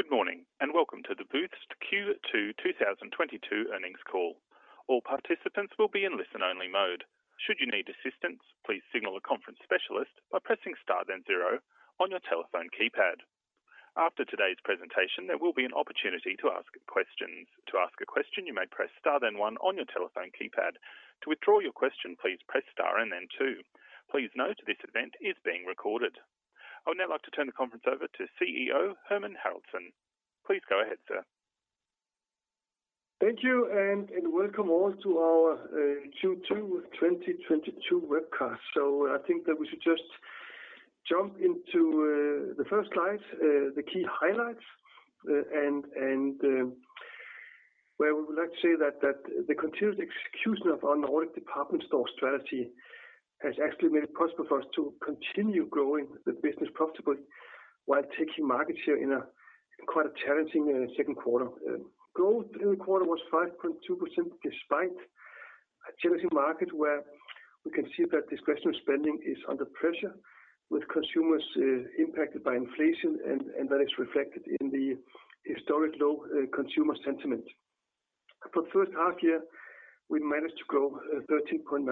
Good morning, and welcome to the Boozt Q2 2022 earnings call. All participants will be in listen-only mode. Should you need assistance, please signal a conference specialist by pressing Star then zero on your telephone keypad. After today's presentation, there will be an opportunity to ask questions. To ask a question, you may press star then one on your telephone keypad. To withdraw your question, please press star and then two. Please note this event is being recorded. I would now like to turn the conference over to CEO Hermann Haraldsson. Please go ahead, sir. Thank you, and welcome all to our Q2 2022 webcast. I think that we should just jump into the first slide, the key highlights, and where we would like to say that the continued execution of our Nordic department store strategy has actually made it possible for us to continue growing the business profitably while taking market share in a quite a challenging second quarter. Growth in the quarter was 5.2% despite a challenging market where we can see that discretionary spending is under pressure with consumers impacted by inflation and that is reflected in the historically low consumer sentiment. For the first half year, we managed to grow 13.9%.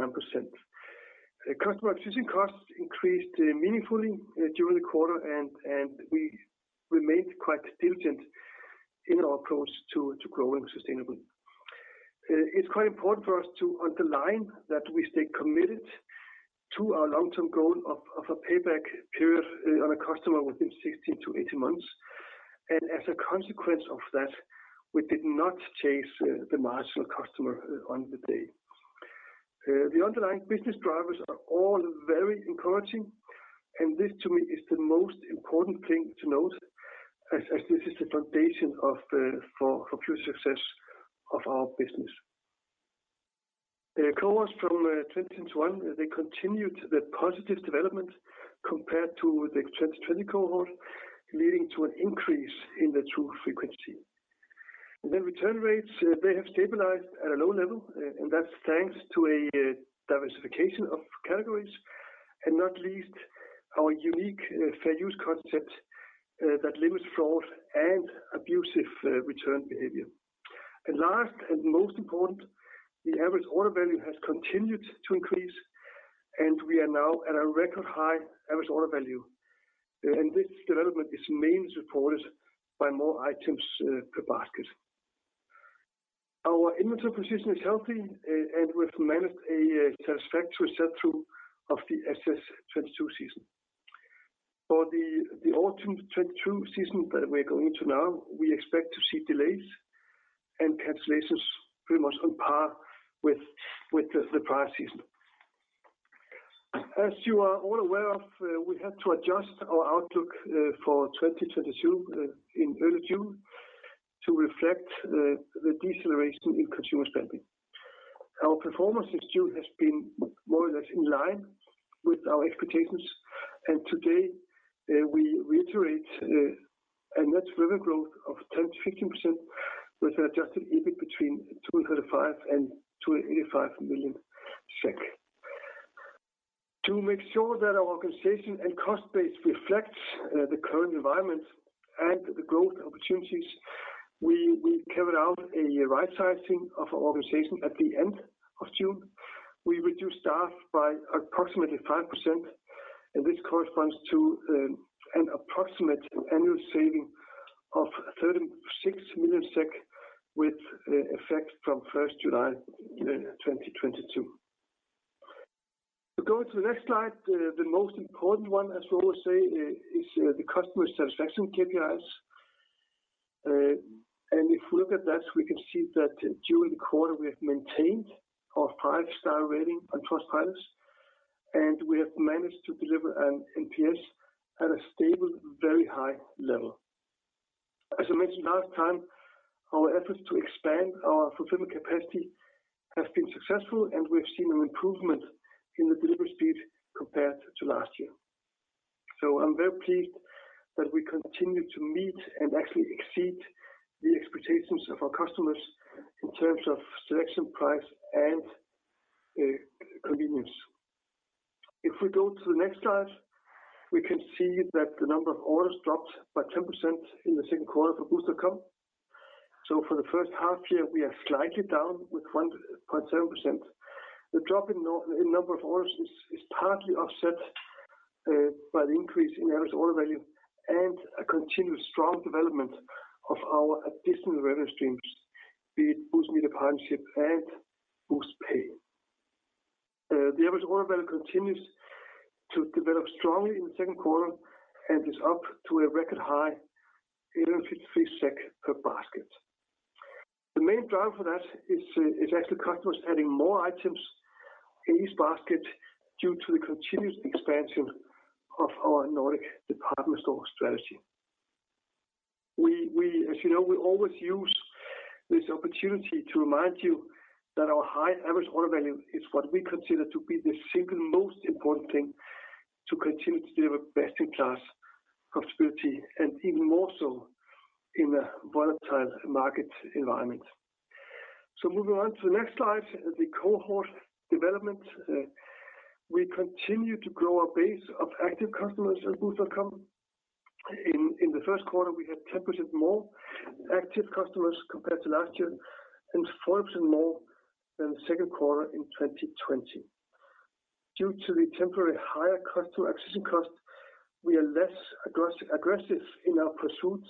Customer acquisition costs increased meaningfully during the quarter, and we remained quite diligent in our approach to growing sustainably. It's quite important for us to underline that we stay committed to our long-term goal of a payback period on a customer within 16-18 months. As a consequence of that, we did not chase the marginal customer on the day. The underlying business drivers are all very encouraging, and this to me is the most important thing to note as this is the foundation for future success of our business. The cohorts from 2021, they continued the positive development compared to the 2020 cohort, leading to an increase in the true frequency. The return rates, they have stabilized at a low level, and that's thanks to a diversification of categories, and not least our unique fair use concept that limits fraud and abusive return behavior. Last and most important, the average order value has continued to increase, and we are now at a record high average order value. This development is mainly supported by more items per basket. Our inventory position is healthy, and we've managed a satisfactory sell-through of the SS22 season. For the autumn 2022 season that we're going to now, we expect to see delays and cancellations pretty much on par with the prior season. As you are all aware of, we had to adjust our outlook for 2022 in early June to reflect the deceleration in consumer spending. Our performance in June has been more or less in line with our expectations, and today we reiterate a net revenue growth of 10%-15% with an adjusted EBIT between 235 million and 285 million SEK. To make sure that our organization and cost base reflects the current environment and the growth opportunities, we carried out a right sizing of our organization at the end of June. We reduced staff by approximately 5%, and this corresponds to an approximate annual saving of 36 million SEK with effect from 1st July 2022. We go to the next slide. The most important one, as we always say, is the customer satisfaction KPIs. If we look at that, we can see that during the quarter, we have maintained our five-star rating on Trustpilot, and we have managed to deliver an NPS at a stable, very high level. As I mentioned last time, our efforts to expand our fulfillment capacity has been successful, and we've seen an improvement in the delivery speed compared to last year. I'm very pleased that we continue to meet and actually exceed the expectations of our customers in terms of selection, price, and convenience. If we go to the next slide, we can see that the number of orders dropped by 10% in the second quarter for Boozt.com. For the first half year, we are slightly down with 1.7%. The drop in number of orders is partly offset by the increase in average order value and a continuous strong development of our additional revenue streams, be it Boozt Media Partnership and Boozt Pay. The average order value continues to develop strongly in the second quarter and is up to a record high, SEK 1,153 per basket. The main driver for that is actually customers adding more items in each basket due to the continuous expansion of our Nordic department store strategy. As you know, we always use this opportunity to remind you that our high average order value is what we consider to be the single most important thing to continue to deliver best in class profitability and even more so in a volatile market environment. Moving on to the next slide, the cohort development, we continue to grow our base of active customers at Boozt.com. In the first quarter, we had 10% more active customers compared to last year and 4% more than the second quarter in 2020. Due to the temporary higher customer acquisition cost, we are less aggressive in our pursuit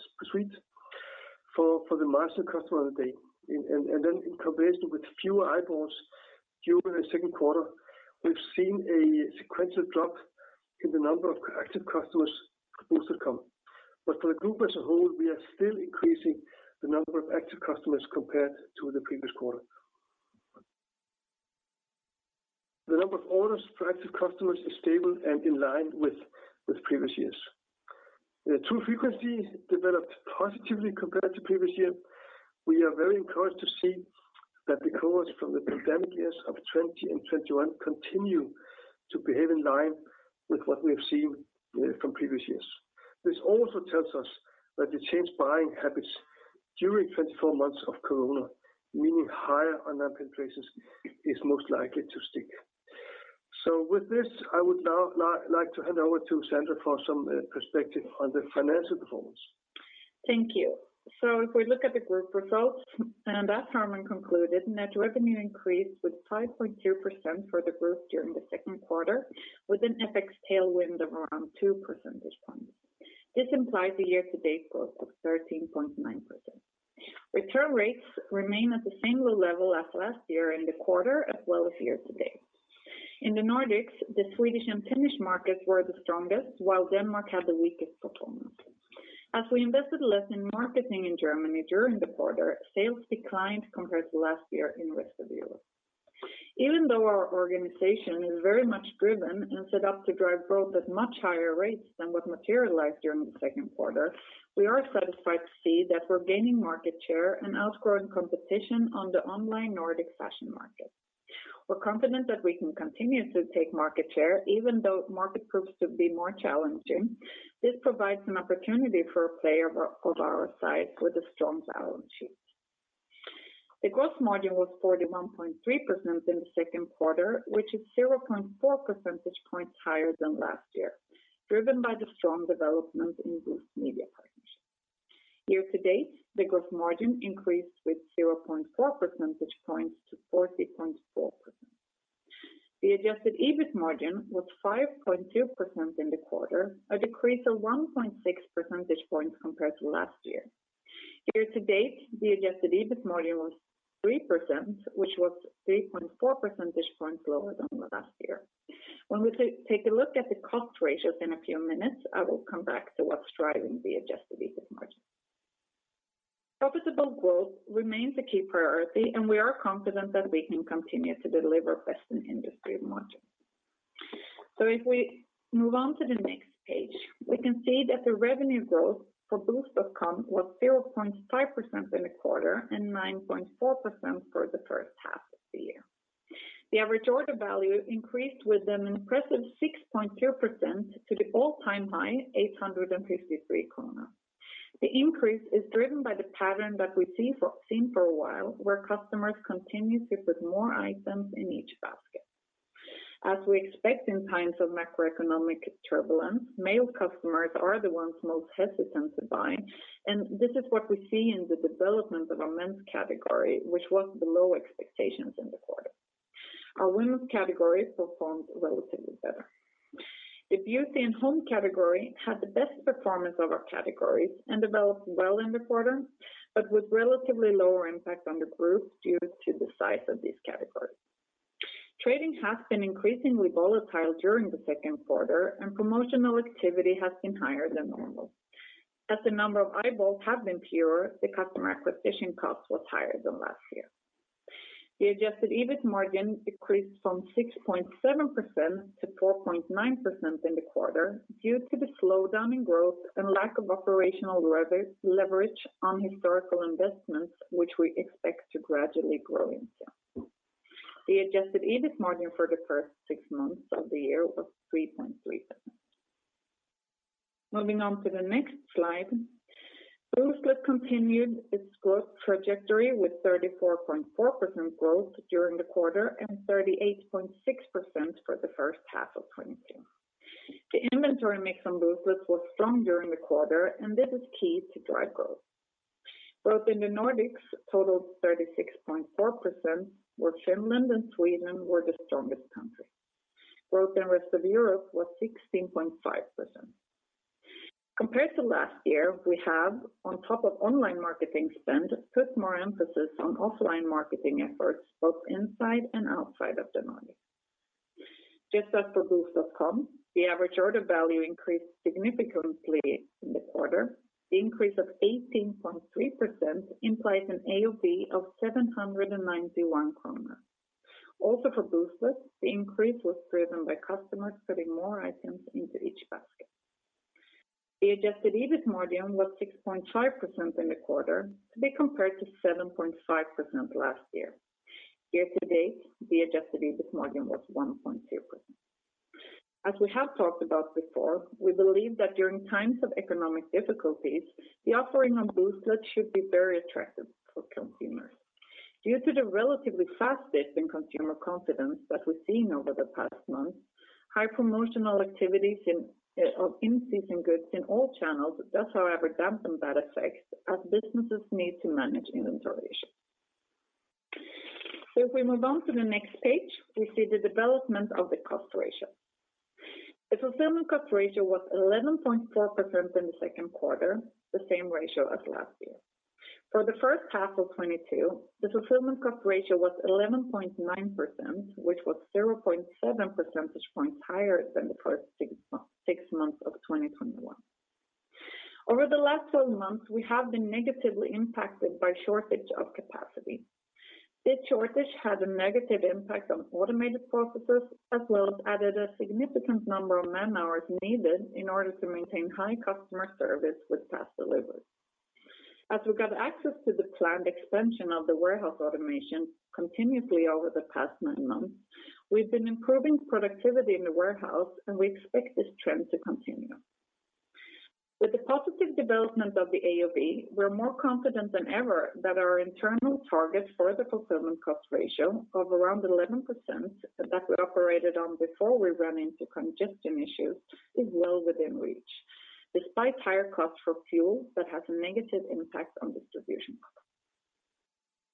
for the mass customer of the day. In comparison with fewer eyeballs during the second quarter, we've seen a sequential drop in the number of active customers at Boozt.com. For the group as a whole, we are still increasing the number of active customers compared to the previous quarter. The number of orders for active customers is stable and in line with previous years. The true frequency developed positively compared to previous year. We are very encouraged to see that the cohorts from the pandemic years of 2020 and 2021 continue to behave in line with what we have seen from previous years. This also tells us that the changed buying habits during 24 months of COVID, meaning higher unprecedented prices, is most likely to stick. With this, I would now like to hand over to Sandra for some perspective on the financial performance. Thank you. If we look at the group results, and as Hermann concluded, net revenue increased with 5.2% for the group during the second quarter, with an FX tailwind of around two percentage points. This implies a year-to-date growth of 13.9%. Return rates remain at the same low level as last year in the quarter, as well as year to date. In the Nordics, the Swedish and Finnish markets were the strongest, while Denmark had the weakest performance. As we invested less in marketing in Germany during the quarter, sales declined compared to last year in the rest of Europe. Even though our organization is very much driven and set up to drive growth at much higher rates than what materialized during the second quarter, we are satisfied to see that we're gaining market share and outgrowing competition on the online Nordic fashion market. We're confident that we can continue to take market share even though market proves to be more challenging. This provides an opportunity for a player of our size with a strong balance sheet. The gross margin was 41.3% in the second quarter, which is 0.4 percentage points higher than last year, driven by the strong development in Boozt Media Partnership. Year to date, the gross margin increased with 0.4 percentage points to 40.4%. The adjusted EBIT margin was 5.2% in the quarter, a decrease of 1.6 percentage points compared to last year. Year to date, the adjusted EBIT margin was 3%, which was 3.4 percentage points lower than last year. When we take a look at the cost ratios in a few minutes, I will come back to what's driving the adjusted EBIT margin. Profitable growth remains a key priority, and we are confident that we can continue to deliver best-in-industry margin. If we move on to the next page, we can see that the revenue growth for Boozt.com was 0.5% in the quarter and 9.4% for the first half of the year. The average order value increased with an impressive 6.2% to the all-time high 853 krona. The increase is driven by the pattern that we've seen for a while, where customers continue to put more items in each basket. As we expect in times of macroeconomic turbulence, male customers are the ones most hesitant to buy, and this is what we see in the development of our men's category, which was below expectations in the quarter. Our women's category performed relatively better. The beauty and home category had the best performance of our categories and developed well in the quarter, but with relatively lower impact on the group due to the size of these categories. Trading has been increasingly volatile during the second quarter, and promotional activity has been higher than normal. As the number of eyeballs have been fewer, the customer acquisition cost was higher than last year. The adjusted EBIT margin decreased from 6.7% to 4.9% in the quarter due to the slowdown in growth and lack of operational leverage on historical investments, which we expect to gradually grow in sales. The adjusted EBIT margin for the first six months of the year was 3.3%. Moving on to the next slide. Booztlet continued its growth trajectory with 34.4% growth during the quarter and 38.6% for the first half of 2022. The inventory mix on Booztlet was strong during the quarter, and this is key to drive growth. Growth in the Nordics totaled 36.4%, where Finland and Sweden were the strongest country. Growth in rest of Europe was 16.5%. Compared to last year, we have, on top of online marketing spend, put more emphasis on offline marketing efforts both inside and outside of the Nordics. Just as for Boozt.com, the average order value increased significantly in the quarter. The increase of 18.3% implies an AOV of 791 kronor. Also for Booztlet, the increase was driven by customers putting more items into each basket. The adjusted EBIT margin was 6.5% in the quarter, to be compared to 7.5% last year. Year to date, the adjusted EBIT margin was 1.2%. As we have talked about before, we believe that during times of economic difficulties, the offering on Booztlet should be very attractive for consumers. Due to the relatively fast dip in consumer confidence that we've seen over the past month, high promotional activities in in-season goods in all channels does however damp some bad effects as businesses need to manage inventory issues. If we move on to the next page, we see the development of the cost ratio. The fulfillment cost ratio was 11.4% in the second quarter, the same ratio as last year. For the first half of 2022, the fulfillment cost ratio was 11.9%, which was 0.7 percentage points higher than the first six months of 2021. Over the last 12 months, we have been negatively impacted by shortage of capacity. This shortage had a negative impact on automated processes, as well as added a significant number of man-hours needed in order to maintain high customer service with fast delivery. As we got access to the planned expansion of the warehouse automation continuously over the past nine months, we've been improving productivity in the warehouse, and we expect this trend to continue. With the positive development of the AOV, we're more confident than ever that our internal target for the fulfillment cost ratio of around 11% that we operated on before we run into congestion issues is well within reach, despite higher costs for fuel that has a negative impact on distribution costs.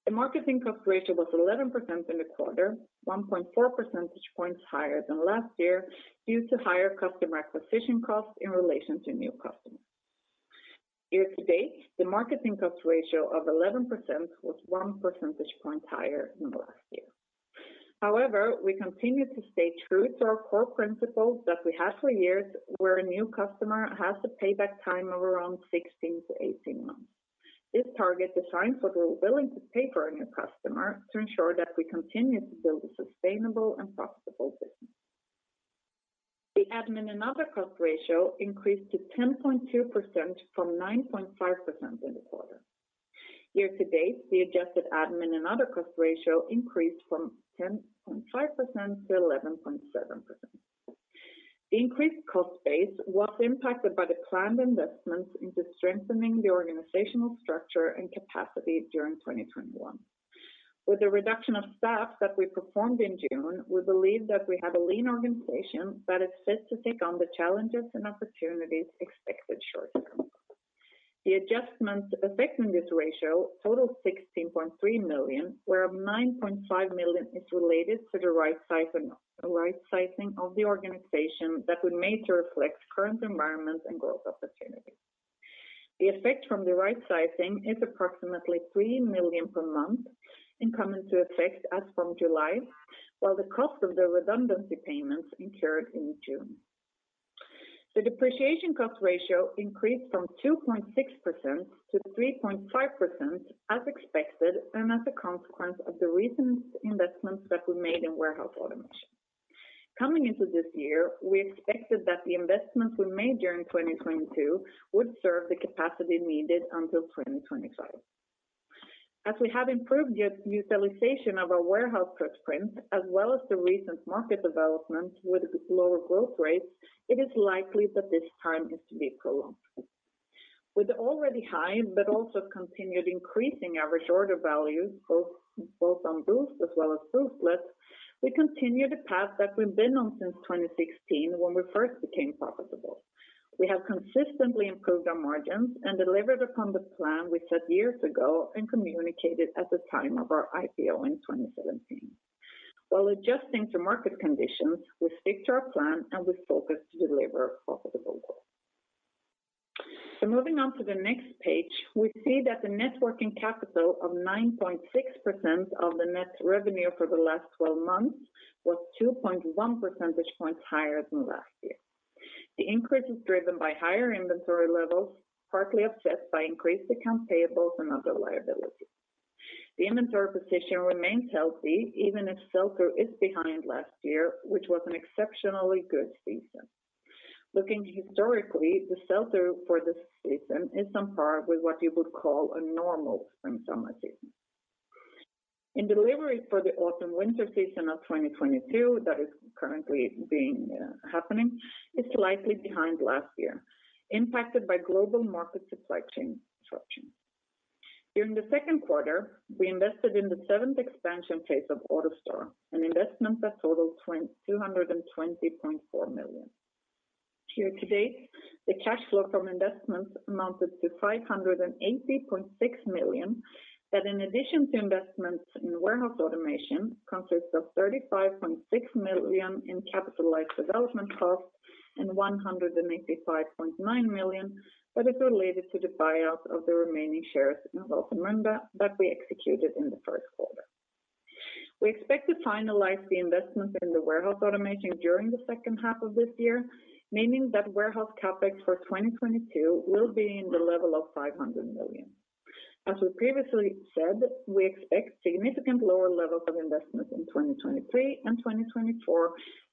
The marketing cost ratio was 11% in the quarter, 1.4 percentage points higher than last year, due to higher customer acquisition costs in relation to new customers. Year to date, the marketing cost ratio of 11% was 1 percentage point higher than last year. However, we continue to stay true to our core principles that we have for years, where a new customer has to pay back time of around 16-18 months. This target defines what we're willing to pay for a new customer to ensure that we continue to build a sustainable and profitable business. The admin and other cost ratio increased to 10.2% from 9.5% in the quarter. Year to date, the adjusted admin and other cost ratio increased from 10.5% to 11.7%. The increased cost base was impacted by the planned investments into strengthening the organizational structure and capacity during 2021. With the reduction of staff that we performed in June, we believe that we have a lean organization that is fit to take on the challenges and opportunities expected short term. The adjustments affecting this ratio total 16.3 million, where 9.5 million is related to the right sizing of the organization that would mainly reflect current environment and growth opportunities. The effect from the right sizing is approximately 3 million per month and come into effect as from July, while the cost of the redundancy payments incurred in June. The depreciation cost ratio increased from 2.6% to 3.5% as expected and as a consequence of the recent investments that we made in warehouse automation. Coming into this year, we expected that the investments we made during 2022 would serve the capacity needed until 2025. As we have improved the utilization of our warehouse footprint, as well as the recent market development with lower growth rates, it is likely that this time is to be prolonged. With the already high but also continued increasing average order values, both on Boozt as well as Booztlet, we continue the path that we've been on since 2016 when we first became profitable. We have consistently improved our margins and delivered upon the plan we set years ago and communicated at the time of our IPO in 2017. While adjusting to market conditions, we stick to our plan and we focus to deliver profitable growth. Moving on to the next page, we see that the net working capital of 9.6% of the net revenue for the last 12 months was 2.1 percentage points higher than last year. The increase is driven by higher inventory levels, partly offset by increased account payables and other liabilities. The inventory position remains healthy even if sell-through is behind last year, which was an exceptionally good season. Looking historically, the sell-through for this season is on par with what you would call a normal spring-summer season. Inventory for the autumn-winter season of 2022 that is currently being happening is slightly behind last year, impacted by global market supply chain disruption. During the second quarter, we invested in the seventh expansion phase of AutoStore, an investment that totaled 200.4 million. Year to date, the cash flow from investments amounted to 580.6 million, that in addition to investments in warehouse automation, consists of 35.6 million in capitalized development costs and 185.9 million that is related to the buyout of the remaining shares in Våtenmølla that we executed in the first quarter. We expect to finalize the investments in the warehouse automation during the second half of this year, meaning that warehouse CapEx for 2022 will be in the level of 500 million. As we previously said, we expect significant lower levels of investment in 2023 and 2024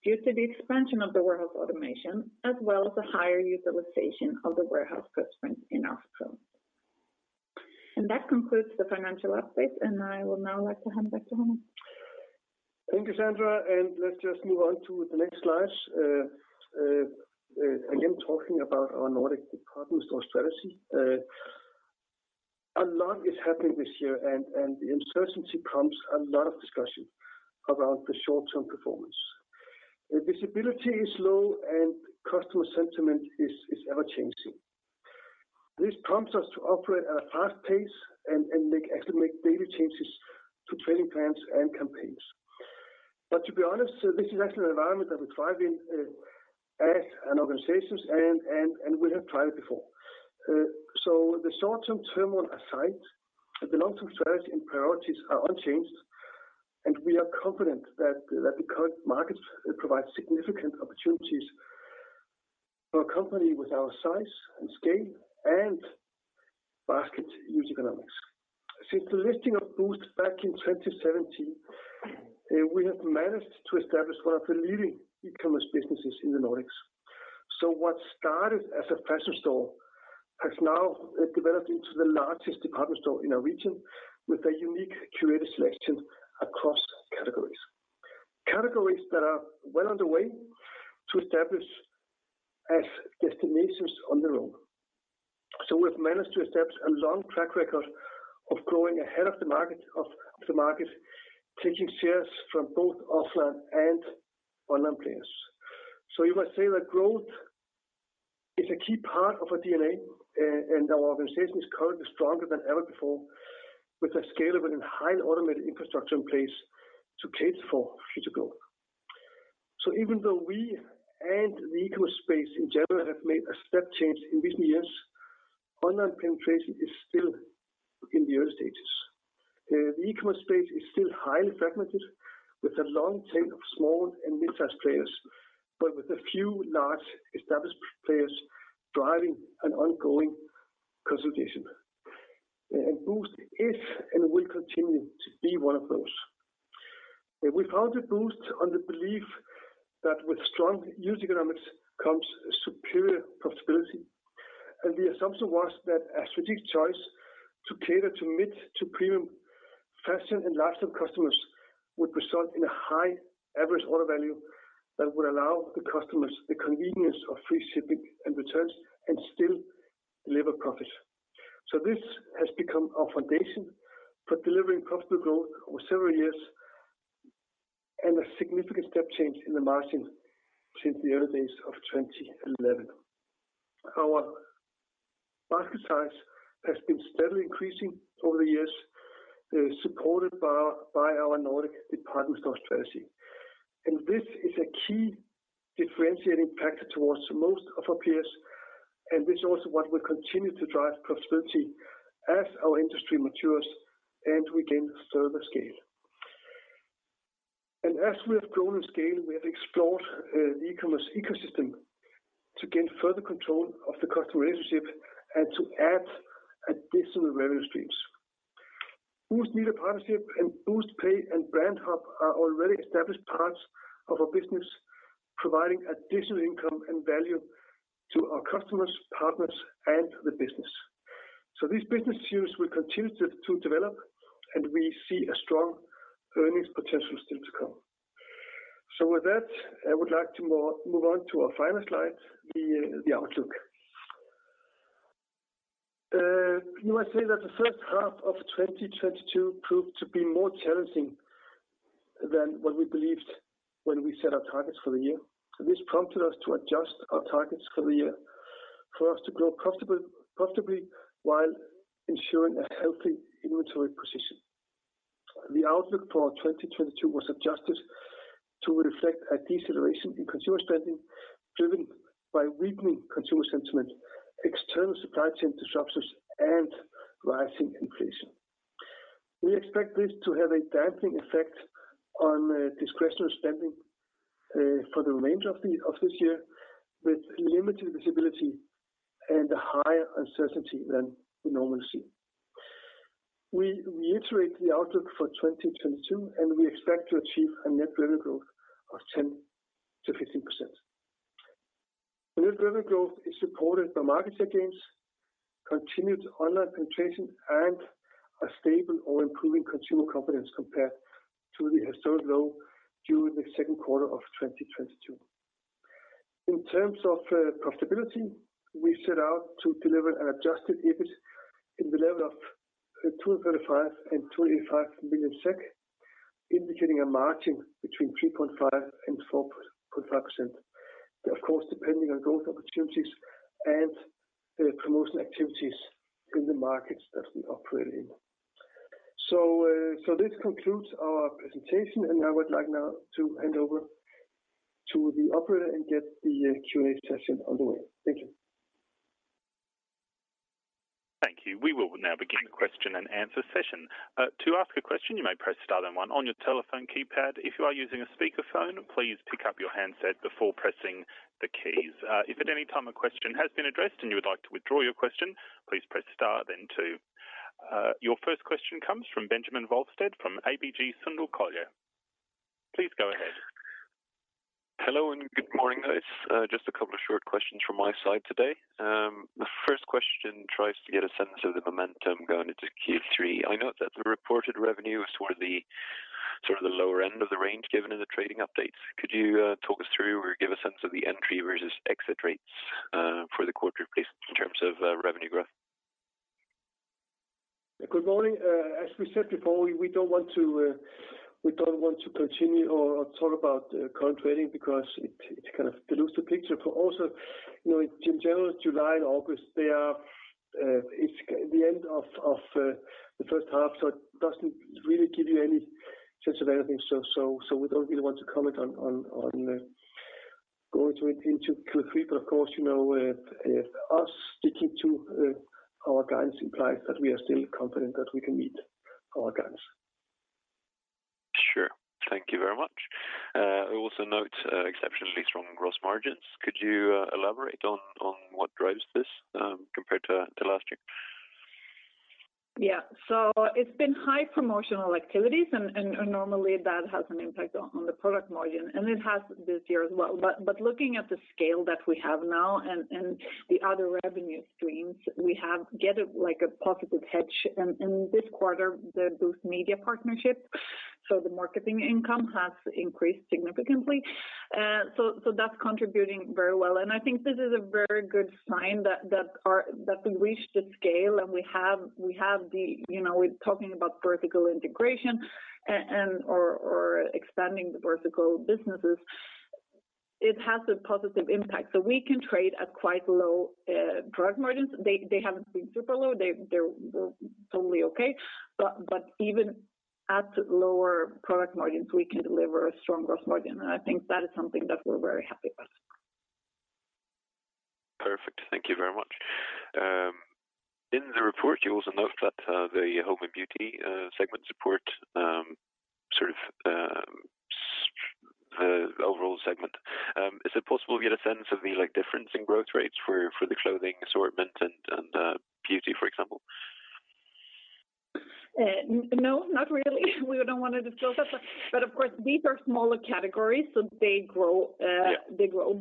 due to the expansion of the warehouse automation, as well as a higher utilization of the warehouse footprint in Oslo. That concludes the financial update, and I would now like to hand back to Hermann Haraldsson. Thank you, Sandra, and let's just move on to the next slide. Again, talking about our Nordic department store strategy. A lot is happening this year and the uncertainty prompts a lot of discussion around the short-term performance. The visibility is low and customer sentiment is ever-changing. This prompts us to operate at a fast pace and actually make daily changes to trading plans and campaigns. To be honest, this is actually an environment that we thrive in as an organization and we have tried it before. The short-term turmoil aside, the long-term strategy and priorities are unchanged, and we are confident that the current market provides significant opportunities for a company with our size and scale and basket use economics. Since the listing of Boozt back in 2017, we have managed to establish one of the leading e-commerce businesses in the Nordics. What started as a fashion store has now developed into the largest department store in our region, with a unique curated selection across categories. Categories that are well on the way to establish as destinations on their own. We've managed to establish a long track record of growing ahead of the market, taking shares from both offline and online players. You might say that growth is a key part of our DNA and our organization is currently stronger than ever before, with a scalable and highly automated infrastructure in place to cater for future growth. Even though we and the e-commerce space in general have made a step change in recent years, online penetration is still in the early stages. The e-commerce space is still highly fragmented, with a long tail of small and mid-sized players, but with a few large established players driving an ongoing consolidation. Boozt is and will continue to be one of those. We founded Boozt on the belief that with strong use economics comes superior profitability. The assumption was that a strategic choice to cater to mid- to premium fashion and lifestyle customers would result in a high average order value that would allow the customers the convenience of free shipping and returns and still deliver profit. This has become our foundation for delivering profitable growth over several years and a significant step change in the margin since the early days of 2011. Our basket size has been steadily increasing over the years, supported by our Nordic department store strategy. This is a key differentiating factor towards most of our peers, and this is also what will continue to drive profitability as our industry matures and we gain further scale. As we have grown in scale, we have explored the e-commerce ecosystem to gain further control of the customer relationship and to add additional revenue streams. Boozt Media Partnership and Booztpay and Brand Hub are already established parts of our business, providing additional income and value to our customers, partners, and the business. These business streams will continue to develop, and we see a strong earnings potential still to come. With that, I would like to move on to our final slide, the outlook. You might say that the first half of 2022 proved to be more challenging than what we believed when we set our targets for the year. This prompted us to adjust our targets for the year for us to grow profitable, profitably while ensuring a healthy inventory position. The outlook for 2022 was adjusted to reflect a deceleration in consumer spending driven by weakening consumer sentiment, external supply chain disruptions, and rising inflation. We expect this to have a damping effect on discretionary spending for the remainder of this year, with limited visibility and higher uncertainty than we normally see. We reiterate the outlook for 2022, and we expect to achieve a net revenue growth of 10%-15%. The net revenue growth is supported by market share gains, continued online penetration, and a stable or improving consumer confidence compared to the historic low during the second quarter of 2022. In terms of profitability, we set out to deliver an adjusted EBIT in the level of 235 million-285 million SEK, indicating a margin between 3.5% and 4%. Of course, depending on growth opportunities and promotion activities in the markets that we operate in. This concludes our presentation, and I would like now to hand over to the operator and get the Q and A session underway. Thank you. Thank you. We will now begin the question-and-answer session. To ask a question, you may press star then one on your telephone keypad. If you are using a speakerphone, please pick up your handset before pressing the keys. If at any time a question has been addressed and you would like to withdraw your question, please press star then two. Your first question comes from Benjamin Wahlstedt from ABG Sundal Collier. Please go ahead. Hello and good morning, guys. Just a couple of short questions from my side today. The first question tries to get a sense of the momentum going into Q3. I know that the reported revenue is sort of the lower end of the range given in the trading updates. Could you talk us through or give a sense of the entry versus exit rates for the quarter, please, in terms of revenue growth? Good morning. As we said before, we don't want to continue or talk about current trading because it kind of dilutes the picture. Also, you know, in general, July and August, it's the end of the first half, so it doesn't really give you any sense of anything. We don't really want to comment on going into Q3. Of course, you know, us sticking to our guidance implies that we are still confident that we can meet our guidance. Sure. Thank you very much. I also note exceptionally strong gross margins. Could you elaborate on what drives this compared to last year? Yeah. It's been high promotional activities and normally that has an impact on the product margin, and it has this year as well. Looking at the scale that we have now and the other revenue streams, we've got a like a positive hedge. This quarter, the Boozt Media Partnership, so the marketing income has increased significantly. That's contributing very well. I think this is a very good sign that that we reached the scale and we have the. You know, we're talking about vertical integration and or expanding the vertical businesses. It has a positive impact. We can trade at quite low product margins. They haven't been super low. They're totally okay. Even at lower product margins, we can deliver a strong gross margin. I think that is something that we're very happy with. Perfect. Thank you very much. In the report, you also note that the home and beauty segment support sort of overall segment. Is it possible to get a sense of the, like, difference in growth rates for the clothing assortment and beauty, for example? No, not really. We don't want to disclose that. Of course, these are smaller categories, so they grow. Yeah. They grow.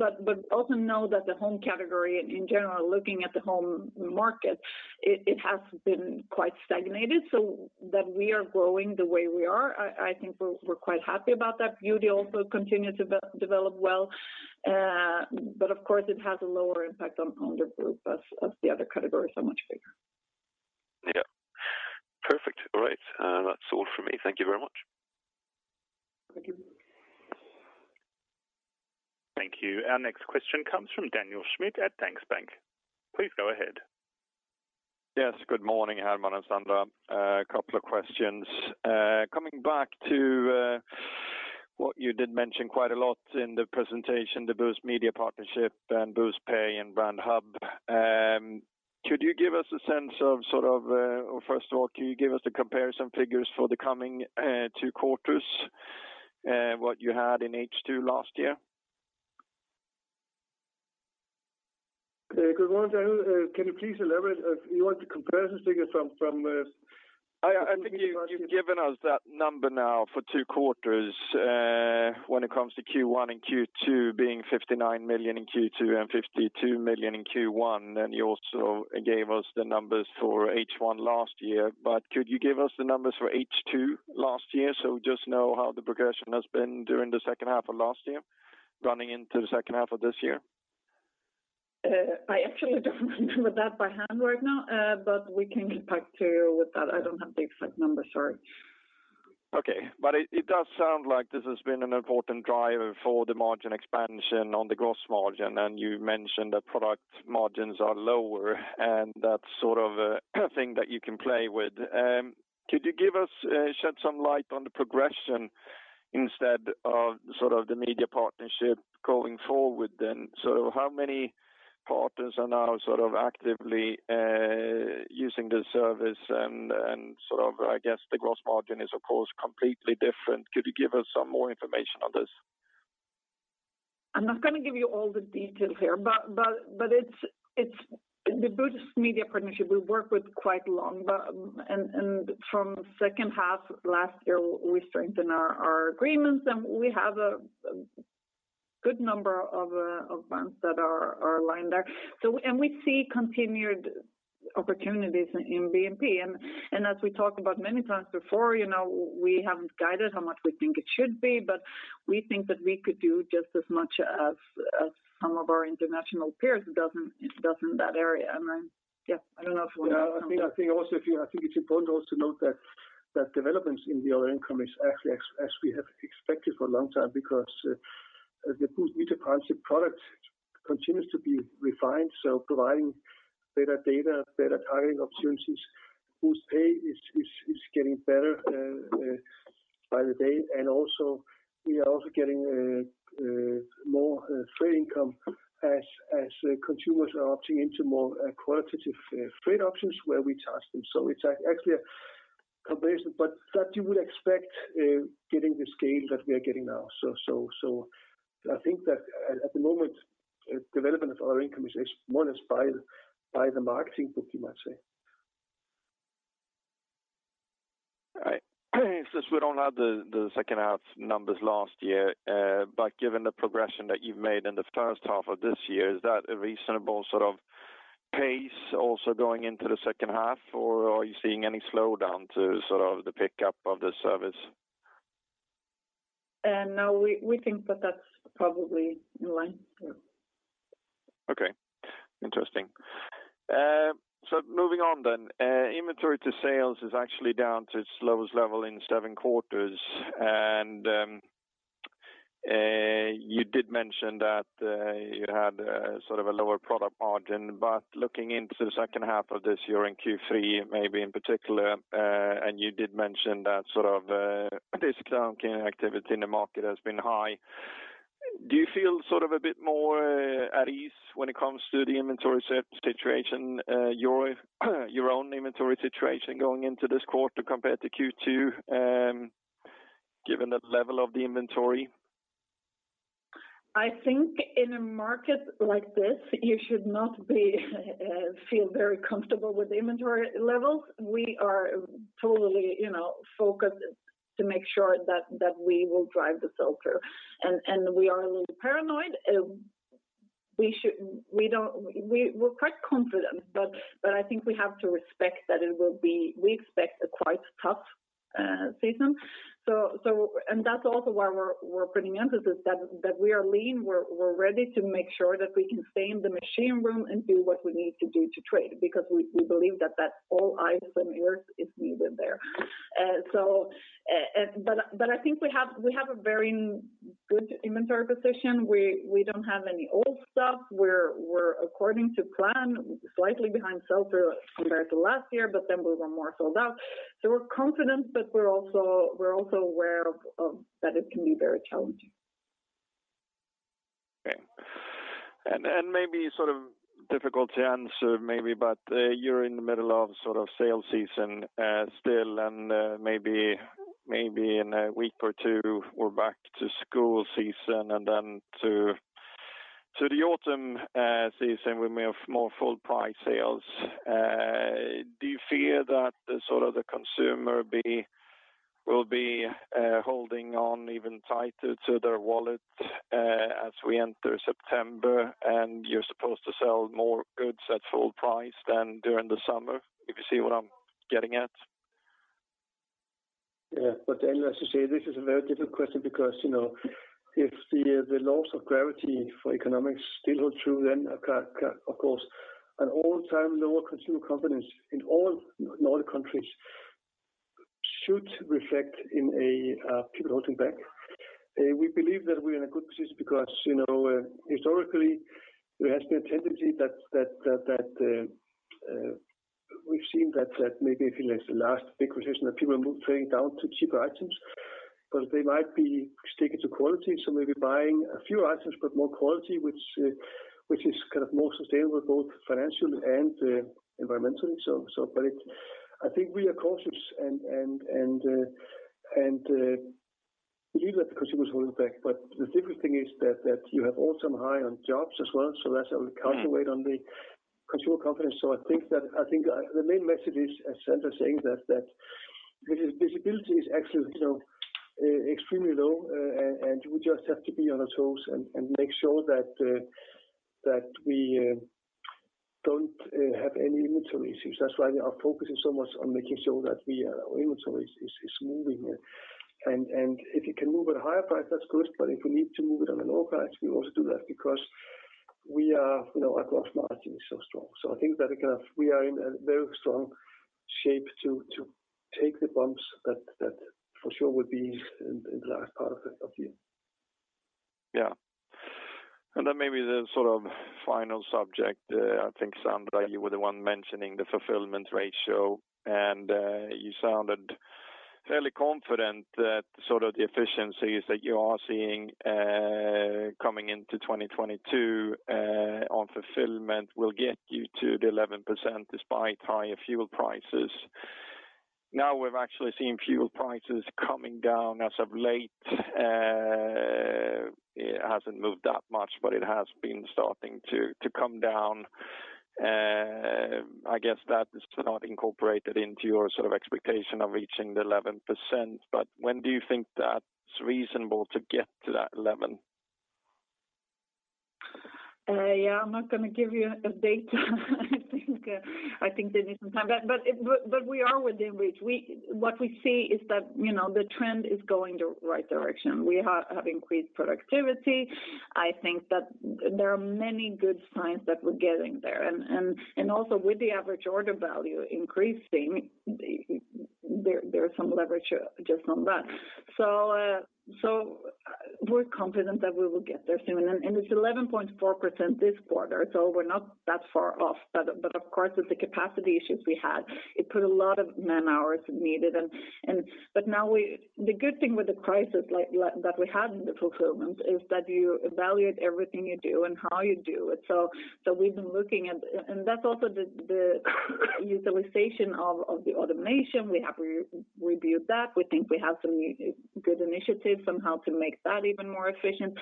Also know that the home category in general, looking at the home market, it has been quite stagnant. That we are growing the way we are, I think we're quite happy about that. Beauty also continues to develop well. Of course it has a lower impact on the group as the other categories are much bigger. Yeah. Perfect. All right. That's all from me. Thank you very much. Thank you. Thank you. Our next question comes from Daniel Schmidt at DNB Bank. Please go ahead. Yes. Good morning, Hermann and Sandra. A couple of questions. Coming back to what you did mention quite a lot in the presentation, the Boozt Media Partnership and Booztpay and Brand Hub, could you give us a sense of, sort of, or first of all, can you give us the comparison figures for the coming two quarters, what you had in H2 last year? Good morning, Daniel. Can you please elaborate if you want the comparison figures from? I think you've given us that number now for two quarters, when it comes to Q1 and Q2 being 59 million in Q2 and 52 million in Q1. You also gave us the numbers for H1 last year. Could you give us the numbers for H2 last year, so we just know how the progression has been during the second half of last year running into the second half of this year? I actually don't remember that by hand right now, but we can get back to you with that. I don't have the exact number, sorry. Okay. It does sound like this has been an important driver for the margin expansion on the gross margin. You mentioned that product margins are lower and that's sort of a thing that you can play with. Could you shed some light on the progression instead of sort of the media partnership going forward then? How many partners are now sort of actively using the service and, sort of, I guess, the gross margin is of course completely different? Could you give us some more information on this? I'm not gonna give you all the details here, but it's the Boozt Media Partnership we work with quite long, and from second half last year, we strengthened our agreements, and we have a good number of brands that are aligned there. We see continued opportunities in BMP. As we talked about many times before, you know, we haven't guided how much we think it should be, but we think that we could do just as much as some of our international peers does in that area. Yeah, I don't know if you wanna add something. Yeah, I think it's important also to note that developments in the other income is actually as we have expected for a long time because the Boozt Media Partnership product continues to be refined, so providing better data, better targeting opportunities. Boozt PAY is getting better by the day. And also, we are also getting more trade income as consumers are opting into more qualitative trade options where we charge them. It's actually a comparison, but that you would expect getting the scale that we are getting now. I think that at the moment development of other income is more inspired by the marketing book, you might say. Since we don't have the second half numbers last year, but given the progression that you've made in the first half of this year, is that a reasonable sort of pace also going into the second half? Or are you seeing any slowdown to sort of the pickup of the service? No, we think that that's probably in line, yeah. Okay. Interesting. Moving on. Inventory to sales is actually down to its lowest level in seven quarters. You did mention that you had sort of a lower product margin, but looking into the second half of this year in Q3, maybe in particular, and you did mention that sort of discount activity in the market has been high. Do you feel sort of a bit more at ease when it comes to the inventory situation, your own inventory situation going into this quarter compared to Q2, given the level of the inventory? I think in a market like this, you should not feel very comfortable with inventory levels. We are totally, you know, focused to make sure that we will drive the sell-through. We are a little paranoid. We're quite confident, but I think we have to respect that we expect a quite tough season. That's also why we're putting emphasis that we are lean. We're ready to make sure that we can stay in the war room and do what we need to do to trade because we believe that all hands on deck is needed there. I think we have a very good inventory position. We don't have any old stuff. We're according to plan, slightly behind sell-through compared to last year, but then we were more sold out. We're confident, but we're also aware of that it can be very challenging. Okay. Maybe sort of difficult to answer maybe, but you're in the middle of sort of sales season still and maybe in a week or two, we're back to school season and then to the autumn season with more full price sales. Do you fear that sort of the consumer will be holding on even tighter to their wallet as we enter September and you're supposed to sell more goods at full price than during the summer? If you see what I'm getting at? As you say, this is a very difficult question because, you know, if the laws of gravity for economics still hold true, then of course, an all-time low consumer confidence in all the countries should reflect in people holding back. We believe that we're in a good position because, you know, historically, there has been a tendency that we've seen that maybe I think it's the last big recession that people trading down to cheaper items, but they might be sticking to quality, so maybe buying a few items but more quality, which is kind of more sustainable both financially and environmentally. I think we are cautious and believe that the consumer is holding back. The difficult thing is that you have all-time high on jobs as well, so that's a counterweight on the consumer confidence. I think the main message is, as Sandra is saying, that visibility is actually, you know, extremely low, and we just have to be on our toes and make sure that we don't have any inventory issues. That's why we are focusing so much on making sure that our inventory is moving. If it can move at a higher price, that's good. If we need to move it on a lower price, we also do that because, you know, our gross margin is so strong. I think that, kind of, we are in a very strong shape to take the bumps that for sure would be in the last part of the year. Yeah. Maybe the sort of final subject, I think, Sandra, you were the one mentioning the fulfillment ratio, and you sounded fairly confident that sort of the efficiencies that you are seeing, coming into 2022, on fulfillment will get you to the 11% despite higher fuel prices. Now we've actually seen fuel prices coming down as of late. It hasn't moved that much, but it has been starting to come down. I guess that is not incorporated into your sort of expectation of reaching the 11%. When do you think that's reasonable to get to that 11%? I'm not gonna give you a date. I think they need some time. We are within reach. What we see is that, you know, the trend is going the right direction. We have increased productivity. I think that there are many good signs that we're getting there. Also with the average order value increasing, there is some leverage just on that. We're confident that we will get there soon. It's 11.4% this quarter, so we're not that far off. Of course, with the capacity issues we had, it put a lot of man-hours needed and. The good thing with the crisis like that we had in the fulfillment is that you evaluate everything you do and how you do it. We've been looking at, and that's also the utilization of the automation. We have re-reviewed that. We think we have some good initiatives on how to make that even more efficient.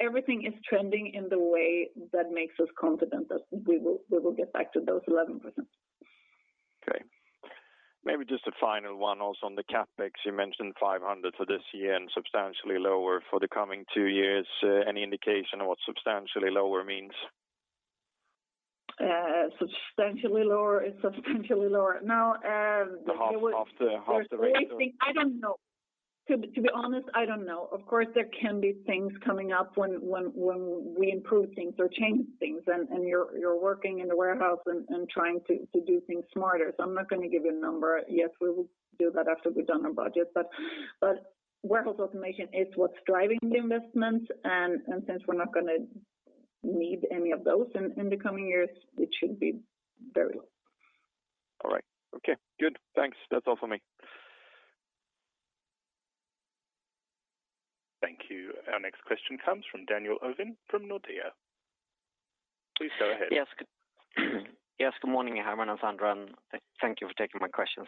Everything is trending in the way that makes us confident that we will get back to those 11%. Maybe just a final one also on the CapEx, you mentioned 500 for this year and substantially lower for the coming two years. Any indication on what substantially lower means? Substantially lower is substantially lower. No. Half the rate. I don't know. To be honest, I don't know. Of course, there can be things coming up when we improve things or change things and you're working in the warehouse and trying to do things smarter. I'm not going to give you a number. Yes, we will do that after we've done our budget. Warehouse automation is what's driving the investment. Since we're not going to need any of those in the coming years, it should be very low. All right. Okay, good. Thanks. That's all for me. Thank you. Our next question comes from Daniel Ovin from Nordea. Please go ahead. Yes. Good. Yes, good morning, Hermann and Sandra, and thank you for taking my questions.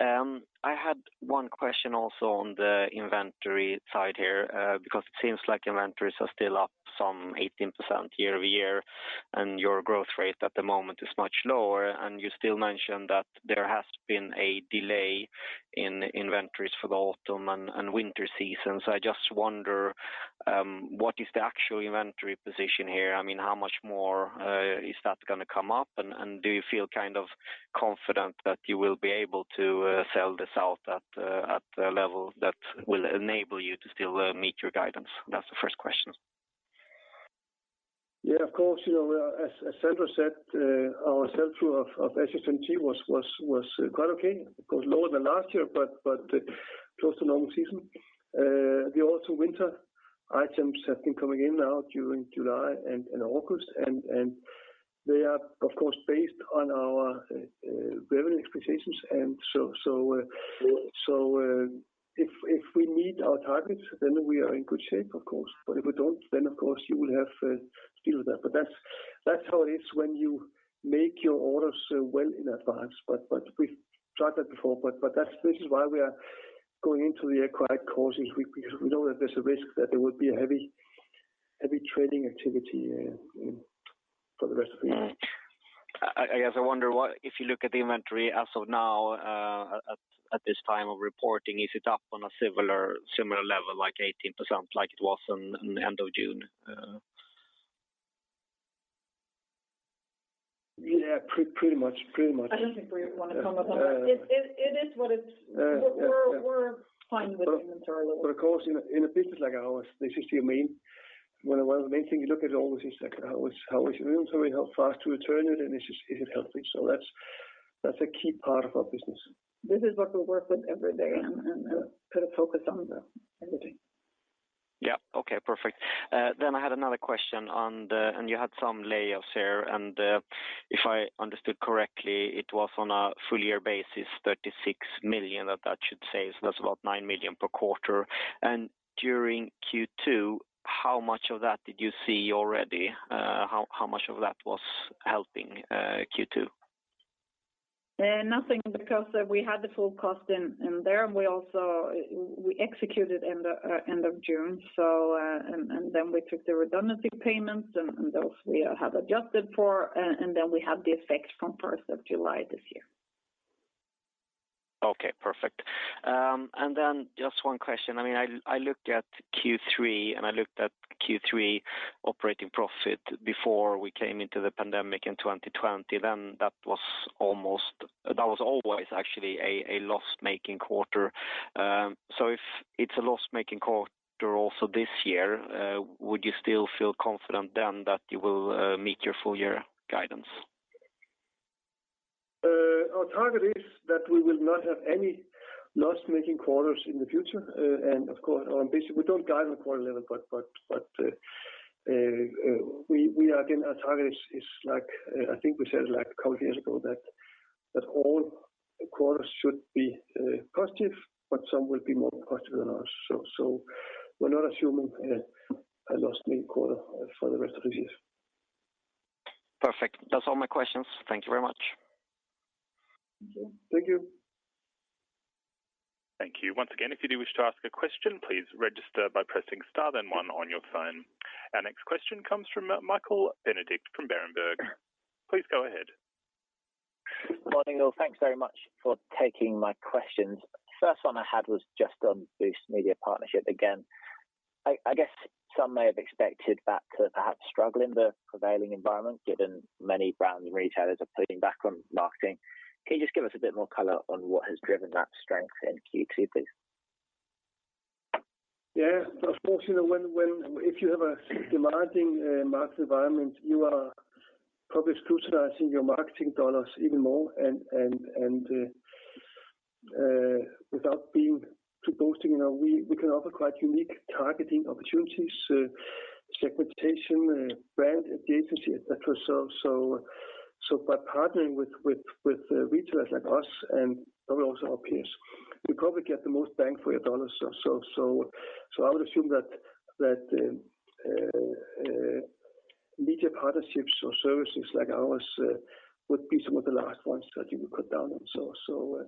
I had one question also on the inventory side here, because it seems like inventories are still up some 18% year-over-year, and your growth rate at the moment is much lower. You still mentioned that there has been a delay in inventories for the autumn and winter season. I just wonder, what is the actual inventory position here? I mean, how much more is that going to come up? Do you feel kind of confident that you will be able to sell this out at a level that will enable you to still meet your guidance? That's the first question. Yeah, of course. You know, as Sandra said, our sell-through of SS and T was quite okay. Of course, lower than last year, but close to normal season. The autumn winter items have been coming in now during July and August. They are, of course, based on our revenue expectations. If we meet our targets, then we are in good shape, of course. But if we don't, then of course you will have to deal with that. That's how it is when you make your orders well in advance. We've tried that before. That's this is why we are going into the acquired brands. We know that there's a risk that there will be a heavy trading activity, you know, for the rest of the year. I guess I wonder what if you look at the inventory as of now, at this time of reporting, is it up on a similar level, like 18% like it was in the end of June? Yeah. Pretty much. I don't think we want to comment on that. It is what it is. We're fine with the inventory level. Of course, in a business like ours, this is the main one of the main thing you look at always is like how is your inventory, how fast to return it, and is it healthy. That's a key part of our business. This is what we work with every day and put a focus on the inventory. Yeah. Okay, perfect. Then I had another question on the layoffs here. If I understood correctly, it was on a full year basis, 36 million that should save. That's about 9 million per quarter. During Q2, how much of that did you see already? How much of that was helping Q2? Nothing because we had the full cost in there. We executed end of June. We took the redundancy payments, and those we have adjusted for. We had the effect from first of July this year. Okay, perfect. Just one question. I looked at Q3 operating profit before we came into the pandemic in 2020, that was always actually a loss-making quarter. If it's a loss-making quarter also this year, would you still feel confident then that you will meet your full year guidance? Our target is that we will not have any loss-making quarters in the future. Of course, on basis, we don't guide on a quarter level. Again, our target is like, I think we said, like a couple years ago that all quarters should be positive, but some will be more positive than others. We're not assuming a loss-making quarter for the rest of this year. Perfect. That's all my questions. Thank you very much. Thank you. Thank you. Once again, if you do wish to ask a question, please register by pressing star then one on your phone. Our next question comes from Michael Benedict from Berenberg. Please go ahead. Morning, all. Thanks very much for taking my questions. First one I had was just on Boozt Media Partnership again. I guess some may have expected that to perhaps struggle in the prevailing environment, given many brands and retailers are pulling back on marketing. Can you just give us a bit more color on what has driven that strength in Q2, please? Yeah, of course. You know, if you have a demanding market environment, you are probably scrutinizing your marketing dollars even more. Without being too boasting, you know, we can offer quite unique targeting opportunities, segmentation, brand agency, et cetera. By partnering with retailers like us and probably also our peers, you probably get the most bang for your dollar. I would assume that media partnerships or services like ours would be some of the last ones that you would cut down on.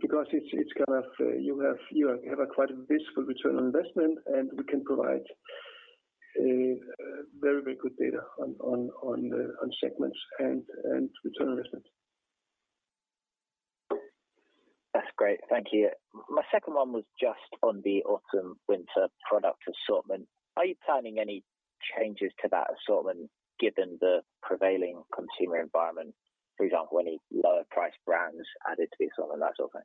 Because it's kind of you have a quite visible return on investment, and we can provide very, very good data on the segments and return on investment. That's great. Thank you. My second one was just on the autumn/winter product assortment. Are you planning any changes to that assortment given the prevailing consumer environment? For example, any lower priced brands added to the assortment, that sort of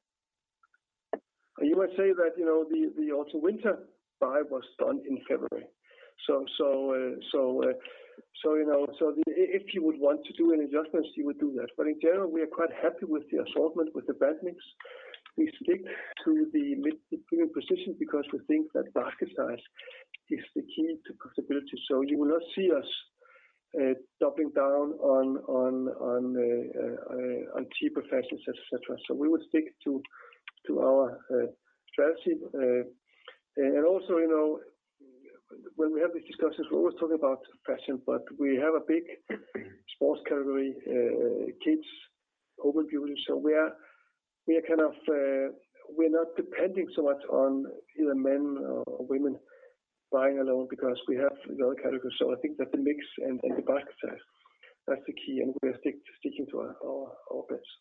thing? You must say that the autumn/winter buy was done in February. If you would want to do any adjustments, you would do that. But in general, we are quite happy with the assortment, with the brand mix. We stick to the mid-premium position because we think that basket size is the key to profitability. You will not see us doubling down on cheaper fashions, et cetera. We will stick to our strategy. Also, when we have these discussions, we're always talking about fashion, but we have a big sports category, kids overview. We are kind of not depending so much on either men or women buying alone because we have the other categories. I think that the mix and the basket size, that's the key, and we are sticking to our bets.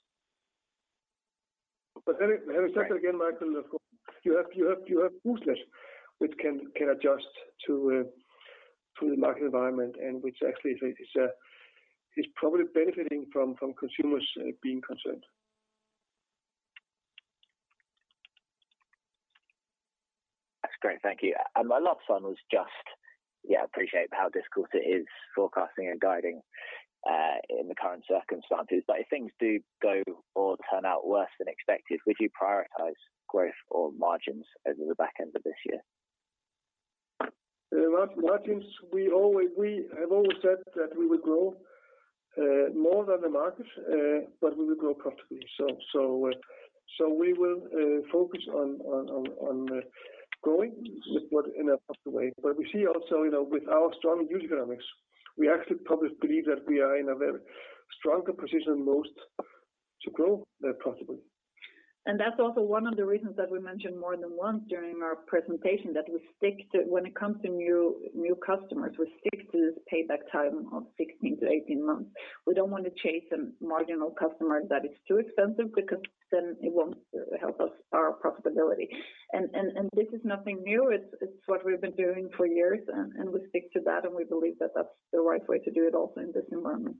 Having said that again, Michael, of course, you have Booztlet which can adjust to the market environment and which actually is probably benefiting from consumers being concerned. That's great. Thank you. My last one was just, yeah, I appreciate how difficult it is forecasting and guiding, in the current circumstances. If things do go or turn out worse than expected, would you prioritize growth or margins over the back end of this year? Margins, we have always said that we would grow more than the market, but we would grow profitably. We will focus on growing with what in a proper way. We see also, you know, with our strong unit economics, we actually probably believe that we are in a very stronger position than most to grow profitably. That's also one of the reasons that we mentioned more than once during our presentation that we stick to when it comes to new customers, we stick to this payback time of 16-18 months. We don't want to chase a marginal customer that is too expensive because then it won't help us our profitability. And this is nothing new. It's what we've been doing for years and we stick to that, and we believe that that's the right way to do it also in this environment.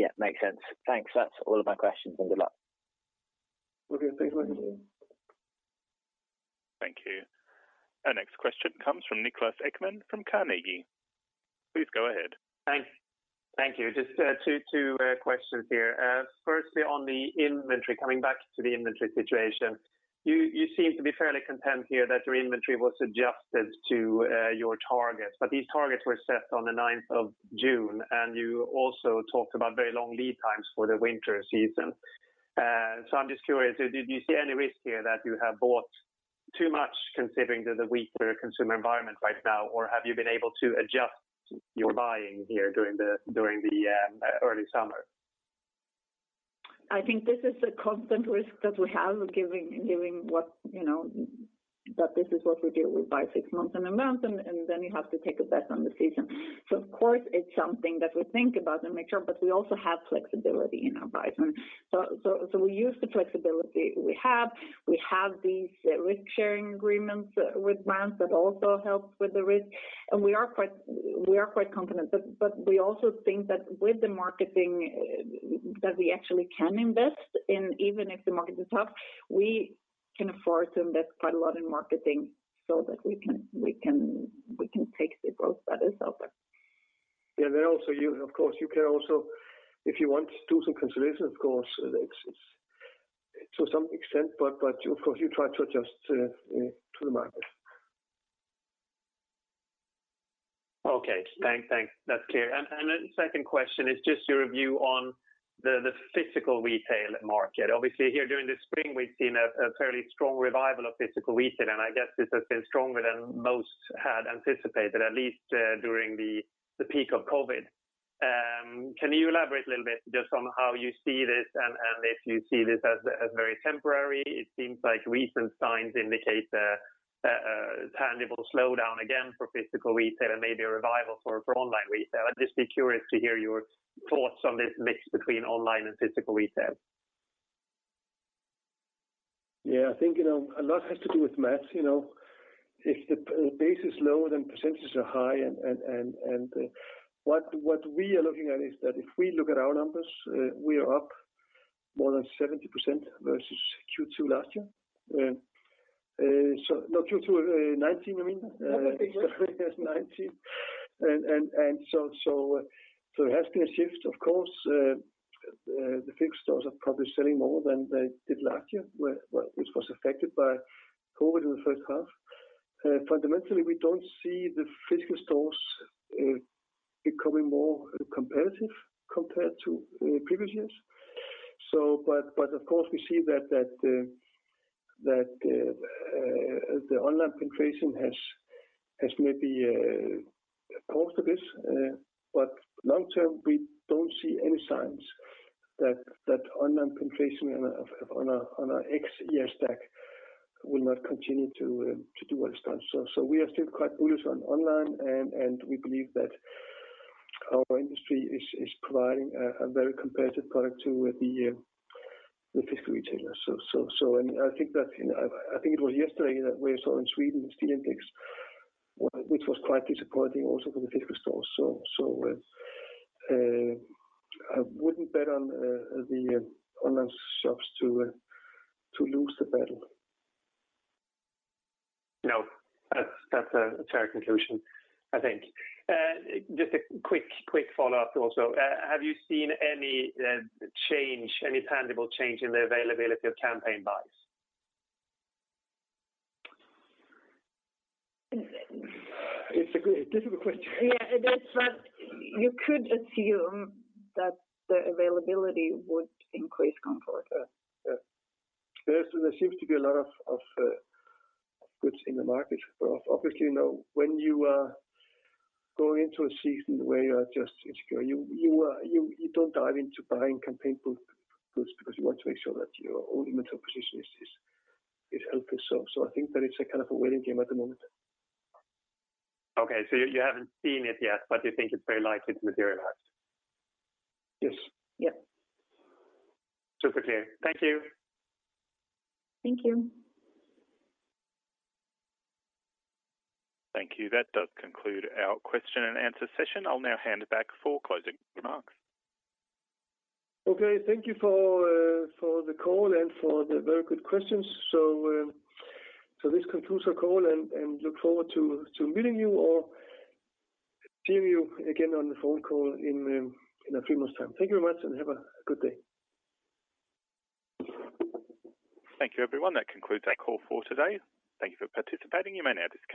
Yeah, makes sense. Thanks. That's all of my questions and good luck. Okay. Thanks, Michael. Thank you. Our next question comes from Niklas Ekman from Carnegie. Please go ahead. Thank you. Just two questions here. First on the inventory, coming back to the inventory situation, you seem to be fairly content here that your inventory was adjusted to your targets. These targets were set on the ninth of June, and you also talked about very long lead times for the winter season. I'm just curious, did you see any risk here that you have bought too much considering the weaker consumer environment right now? Or have you been able to adjust your buying here during the early summer? I think this is a constant risk that we have, you know, but this is what we do. We buy six months in advance and then you have to take a bet on the season. Of course it's something that we think about and make sure, but we also have flexibility in our buying. We use the flexibility we have. We have these risk sharing agreements with brands that also helps with the risk. We are quite confident. We also think that with the marketing that we actually can invest in, even if the market is tough, we can afford to invest quite a lot in marketing so that we can take the growth that is out there. Yeah. Also you, of course, you can also, if you want to do some conservation, of course, it's to some extent, but of course you try to adjust to the market. Okay. Thanks. That's clear. Second question is just your view on the physical retail market. Obviously here during the spring we've seen a fairly strong revival of physical retail, and I guess this has been stronger than most had anticipated, at least during the peak of COVID. Can you elaborate a little bit just on how you see this and if you see this as very temporary? It seems like recent signs indicate a tangible slowdown again for physical retail and maybe a revival for online retail. I'd just be curious to hear your thoughts on this mix between online and physical retail. Yeah. I think, you know, a lot has to do with math. You know, if the base is low, then percentages are high and what we are looking at is that if we look at our numbers, we are up more than 70% versus Q2 last year. No, Q2 2019, I mean. There has been a shift of course. The physical stores are probably selling more than they did last year where this was affected by COVID in the first half. Fundamentally, we don't see the physical stores becoming more competitive compared to previous years. But of course, we see that the online penetration has maybe paused a bit. Long term, we don't see any signs that online penetration on a X year stack will not continue to do what it's done. We are still quite bullish on online and we believe that our industry is providing a very competitive product to the physical retailers. I think that's, you know, I think it was yesterday that we saw in Sweden, the Stilindex which was quite disappointing also for the physical stores. I wouldn't bet on the online shops to lose the battle. No, that's a fair conclusion, I think. Just a quick follow-up also. Have you seen any change, any tangible change in the availability of campaign buys? It's a difficult question. Yeah, it is. You could assume that the availability would increase going forward. Yeah. Yeah. There seems to be a lot of goods in the market. Obviously, you know, when you go into a season where you are just insecure, you don't dive into buying campaign goods because you want to make sure that your own inventory position is healthy. I think that it's a kind of a waiting game at the moment. Okay. You haven't seen it yet, but you think it's very likely to materialize? Yes. Yeah. Super clear. Thank you. Thank you. Thank you. That does conclude our question and answer session. I'll now hand it back for closing remarks. Okay. Thank you for the call and for the very good questions. This concludes our call and look forward to meeting you or seeing you again on the phone call in a few months time. Thank you very much, and have a good day. Thank you, everyone. That concludes our call for today. Thank you for participating. You may now disconnect.